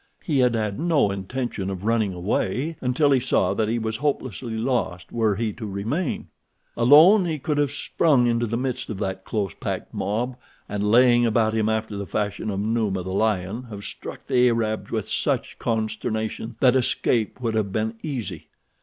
He had had no intention of running away until he saw that he was hopelessly lost were he to remain. Alone he could have sprung into the midst of that close packed mob, and, laying about him after the fashion of Numa, the lion, have struck the Arabs with such consternation that escape would have been easy.